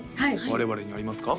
我々にありますか？